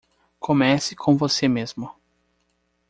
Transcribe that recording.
Comece com você mesmo